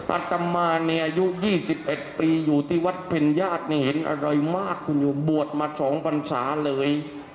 อัตมาเนี่ยอายุ๒๑ปีอยู่ที่วัดเพ็ญญาติเนี่ยเห็นอะไรมากบวชมาสองพันศาเลย